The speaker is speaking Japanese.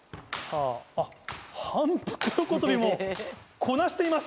反復横跳びもこなしています！